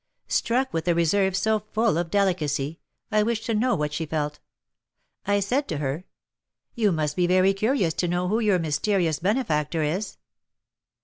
Struck with a reserve so full of delicacy, I wished to know what she felt. I said to her, 'You must be very curious to know who your mysterious benefactor is?'